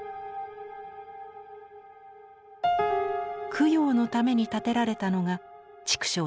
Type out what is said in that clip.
供養のために建てられたのが畜生塚です。